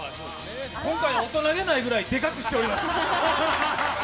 今回、大人げないくらいデカくしております。